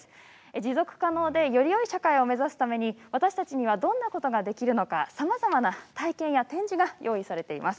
持続可能でよりよい社会を目指すために私たちはどんなことができるのかさまざまな体験や展示が用意されています。